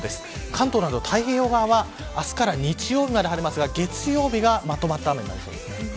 関東など太平洋側は明日から日曜日まで晴れますが月曜日はまとまった雨になりそうです。